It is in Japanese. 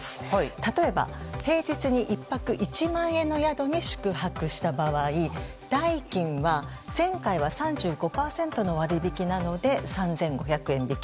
例えば平日に１泊１万円の宿に宿泊した場合代金は前回は３５％の割引なので３５００円引き。